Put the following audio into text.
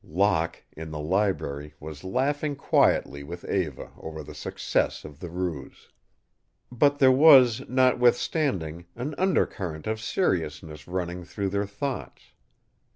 Locke, in the library, was laughing quietly with Eva over the success of the ruse. But there was, notwithstanding, an undercurrent of seriousness running through their thoughts.